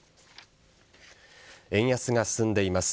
円安が進んでいます。